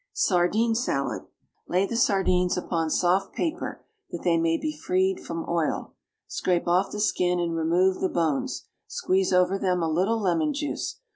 (See page 67)] =Sardine Salad.= Lay the sardines upon soft paper, that they may be freed from oil. Scrape off the skin and remove the bones; squeeze over them a little lemon juice.